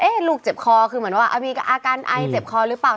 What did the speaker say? ลูกเจ็บคอคือเหมือนว่ามีอาการไอเจ็บคอหรือเปล่า